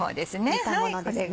煮たものですね。